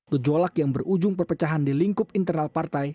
gejolak yang berujung perpecahan di lingkup internal partai